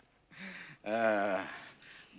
saya sudah berusaha untuk mencari penyelesaian